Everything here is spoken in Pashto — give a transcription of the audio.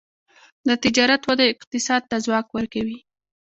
د تجارت وده اقتصاد ته ځواک ورکوي.